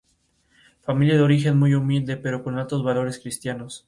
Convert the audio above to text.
Familia de origen muy humilde, pero con altos valores Cristianos.